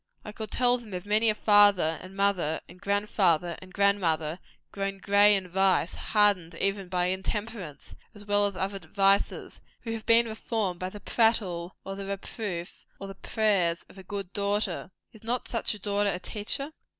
I could tell them of many a father and mother, and grand father and grand mother, grown grey in vice hardened even by intemperance as well as other vices who have been reformed by the prattle, or the reproof, or the prayers of a good daughter. Is not such a daughter a teacher?